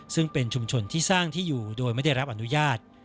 ซึ่งเป็นชุมชนที่สร้างที่อยู่โดยไม่ได้รับอนุญาต